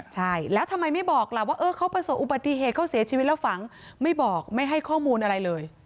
ใช่แล้วทำไมไม่บอกล่ะว่าเขาประสบอุบัติเหตุเขาเสียชีวิตแล้วฝังไม่บอกไม่ให้ข้อมูลอะไรเลย